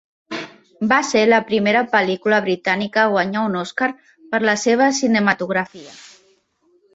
Va ser la primera pel·lícula britànica a guanyar un Oscar per la seva cinematografia.